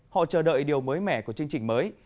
họ chờ đợi điều mới mẻ của chương trình mới